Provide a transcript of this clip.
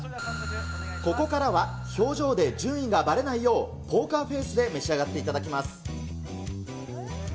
ここからは、表情で順位がばれないよう、ポーカーフェースで召し上がっていただきます。